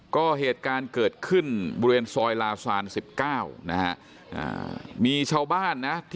ก็เหตุการณ์เกิดขึ้นบริเวณซอยลาซาน๑๙นะฮะมีชาวบ้านนะ